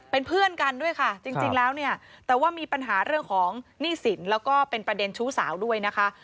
เป็นเพื่อนกันด้วยค่ะจริงแล้วเนี่ยแต่ว่ามีปัญหาเรื่องของหนี้สินแล้วก็เป็นประเด็นชู้สาวด้วยนะคะ